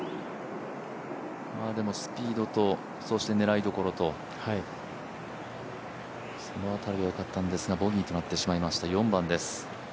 でもスピードと狙いどころと、その辺りはよかったんですがボギーとなってしまいました、４番です。